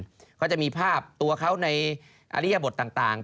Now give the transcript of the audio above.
แล้วก็มีภาพตัวเขาในอริยบทต่าง